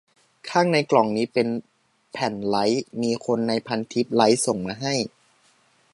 ข้างในกล่องนี่เป็นแผ่นไรต์ มีคนในพันทิปไรต์ส่งมาให้